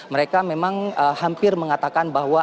mereka memang hampir mengatakan bahwa